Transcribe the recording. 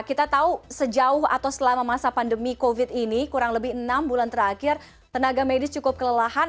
kita tahu sejauh atau selama masa pandemi covid ini kurang lebih enam bulan terakhir tenaga medis cukup kelelahan